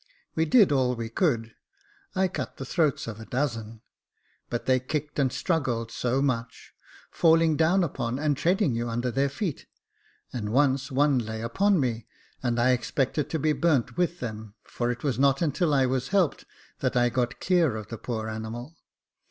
We did all we could. I cut the throats of a dozen, but they kicked and struggled so much, falling down upon, and treading you under their feet ; and once one lay upon me, and I expected to be burnt with them, for it was not until I was helped that I got clear of the poor animal.